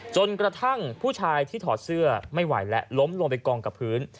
จนกระทั่งผู้ชายที่ถอดเสื้อไม่ไหวและล้มลงไปกองกับพื้น